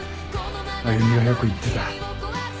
歩美はよく言ってた。